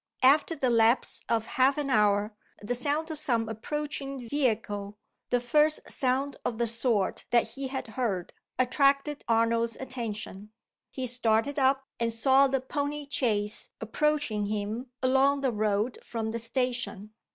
After the lapse of half an hour, the sound of some approaching vehicle the first sound of the sort that he had heard attracted Arnold's attention. He started up, and saw the pony chaise approaching him along the road from the station.